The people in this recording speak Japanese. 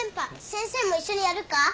先生も一緒にやるか？